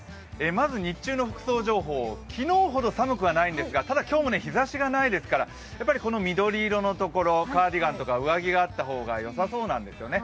まず日中の服装情報昨日ほど寒くはないんですがただ今日も日ざしがないですから、緑色のところ、カーディガンとか上着があった方がよさそうなんですよね。